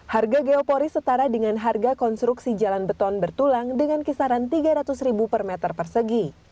harga geopori setara dengan harga konstruksi jalan beton bertulang dengan kisaran tiga ratus ribu per meter persegi